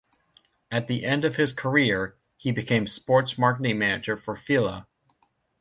At the end of his career, he became sports marketing manager for Fila.